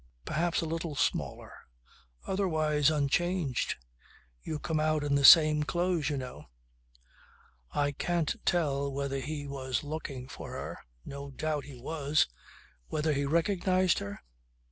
Perhaps a little smaller. Otherwise unchanged. You come out in the same clothes, you know. I can't tell whether he was looking for her. No doubt he was. Whether he recognized her?